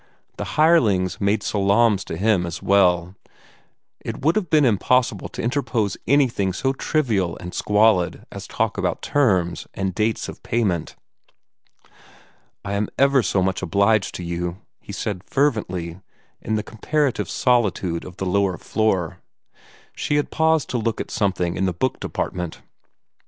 The hirelings made salaams to him as well; it would have been impossible to interpose anything so trivial and squalid as talk about terms and dates of payment. "I am ever so much obliged to you," he said fervently, in the comparative solitude of the lower floor. She had paused to look at something in the book department.